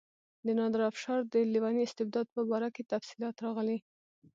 د نادرشاه افشار د لیوني استبداد په باره کې تفصیلات راغلي.